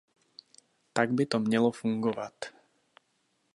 Tak by to mělo fungovat.